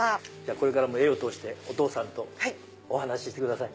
これからも絵を通してお父さんとお話ししてください。